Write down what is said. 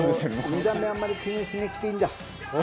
見た目あんまり気にしなくていいんだ。